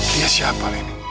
dia siapa ini